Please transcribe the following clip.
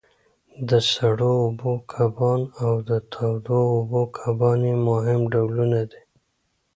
د سړو اوبو کبان او د تودو اوبو کبان یې مهم ډولونه دي.